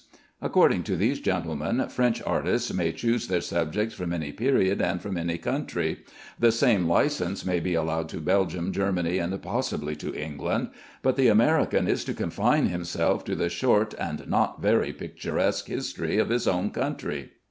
According to these gentlemen, French artists may choose their subjects from any period and from any country; the same license may be allowed to Belgium, Germany, and possibly to England; but the American is to confine himself to the short and not very picturesque history of his own country.